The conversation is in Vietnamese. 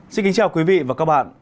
xin kính chào quý vị và các bạn